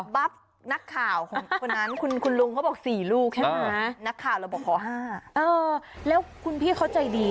บั๊บนักข่าวอันนั้นคุณลุงพูดว่า๔ลูกใช่มั้ย